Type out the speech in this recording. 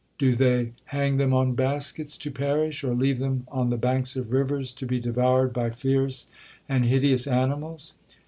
Do they hang them on baskets to perish, or leave them on the banks of rivers to be devoured by fierce and hideous animals?'